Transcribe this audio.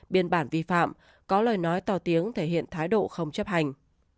biên bản vi phạm có lời nói to tiếng thể hiện thái độ không chấp hành